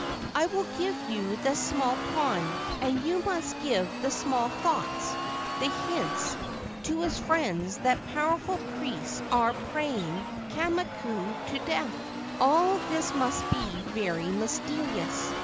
"I will give you the small pond, and you must give the small thoughts, the hints, to his friends that powerful priests are praying Kamakau to death. All this must be very mysterious.